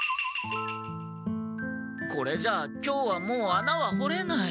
これじゃ今日はもう穴は掘れない。